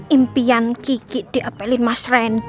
impian kiki diapelin mas ren